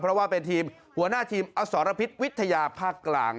เพราะว่าเป็นทีมหัวหน้าทีมอสรพิษวิทยาภาคกลาง